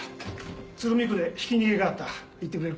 鶴見区でひき逃げがあった行ってくれるか？